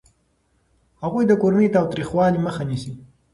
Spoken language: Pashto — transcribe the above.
هغوی د کورني تاوتریخوالي مخه نیسي.